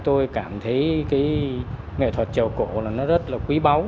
tôi cảm thấy nghệ thuật trèo cổ rất là quý báu